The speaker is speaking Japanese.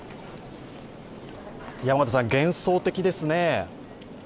山形さん、幻想的ですね。